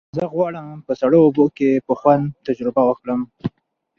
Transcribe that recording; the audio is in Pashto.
زه غواړم په سړو اوبو کې په خوند تجربه وکړم.